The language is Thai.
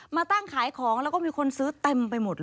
มาตั้งขายของแล้วก็มีคนซื้อเต็มไปหมดเลย